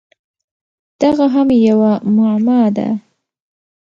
دغه هم یوه معما ده!